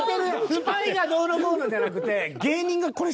スパイがどうのこうのじゃなくて。